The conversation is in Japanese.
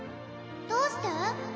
どうして？